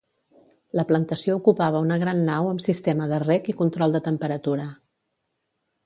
La plantació ocupava una gran nau amb sistema de reg i control de temperatura.